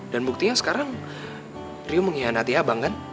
dan buktinya sekarang rio mengkhianati abang kan